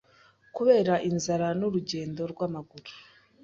kubera inzara n’urugendo rw’amaguru